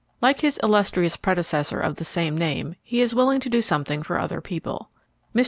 Like his illustrious predecessor of the same name he is willing to do something for other people. Mr.